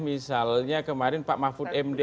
misalnya kemarin pak mahfud md